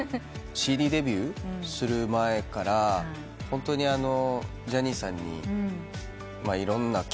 ＣＤデビューする前からホントにジャニーさんにいろんな経験を。